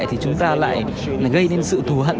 thì chúng ta lại gây nên sự thù hận